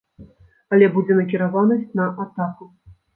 Але будзе накіраванасць на атаку.